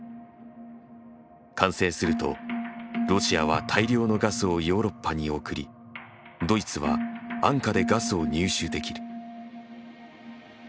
完成するとロシアは大量のガスをヨーロッパに送りドイツは安価でガスを入手できる。